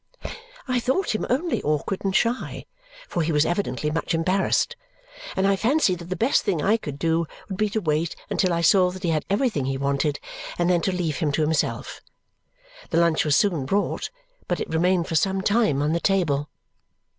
I thought him only awkward and shy, for he was evidently much embarrassed; and I fancied that the best thing I could do would be to wait until I saw that he had everything he wanted and then to leave him to himself. The lunch was soon brought, but it remained for some time on the table.